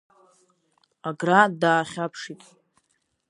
Агра даахьаԥшит.